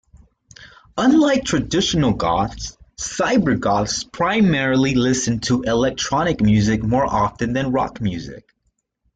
Unlike traditional goths, Cybergoths primarily listen to electronic music more often than rock music.